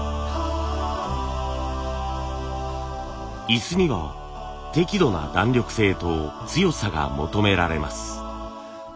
椅子には適度な弾力性と強さが求められます。